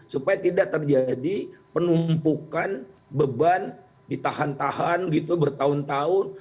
supaya tidak terjadi penumpukan beban ditahan tahan gitu bertahun tahun